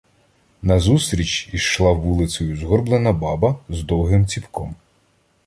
Назустріч йшла вулицею згорблена баба з довгим ціпком.